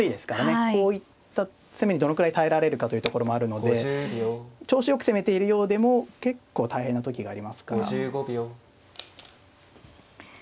こういった攻めにどのくらい耐えられるかというところもあるので調子よく攻めているようでも結構大変な時がありますから。